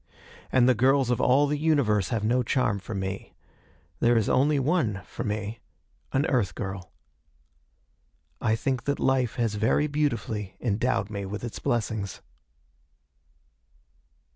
And the girls of all the Universe have no charm for me. There is only one, for me an Earth girl. I think that life has very beautifully endowed me with its blessings.